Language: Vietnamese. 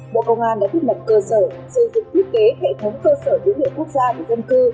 bộ công an đã thiết lập cơ sở xây dựng thiết kế hệ thống cơ sở dữ liệu quốc gia về dân cư